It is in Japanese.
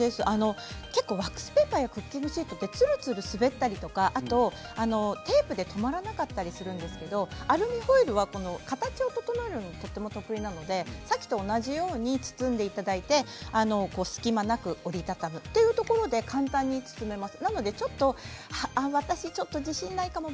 結構ワックスペーパーやクッキングシートってつるつる滑ったりとかテープで止まらなかったりするんですけどアルミホイルは形を整えるのにとても得意なので、さっきと同じように包んでいただいて隙間なく折り畳むというところで簡単に包めます。